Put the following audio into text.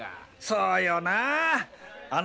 そうよなあ。